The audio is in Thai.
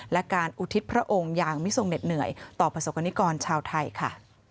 และการอุทิศพระองค์อย่างมิทรงเหน็ดเหนื่อยต่อประสบกรณิกรชาวไทยค่ะ